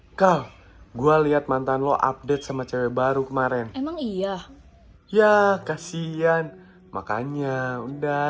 hai kau gua lihat mantan lo update sama cewek baru kemarin emang iya ya kasian makanya udah